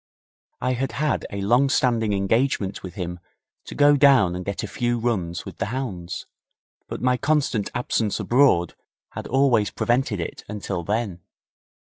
I had had a long standing engagement with him to go down and get a few runs with the hounds, but my constant absence abroad had always prevented it until then.